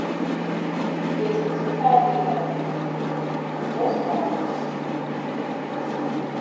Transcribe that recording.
Piecpadsmitā diena. jūtos labi.